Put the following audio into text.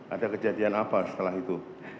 ada kejadian apa setelah itu